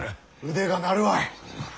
腕が鳴るわい！